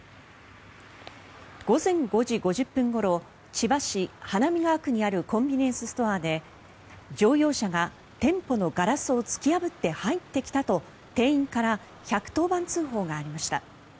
午前５時５０分ごろ千葉市花見川区にあるコンビニエンスストアで乗用車が店舗のガラスを突き破って入ってきたと店員から１１０番通報がありました。